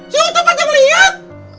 siapa tempat yang liat